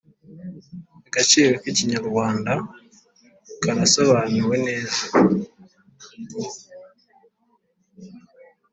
agaciro k’Ikinyarwanda karasobanuwe neza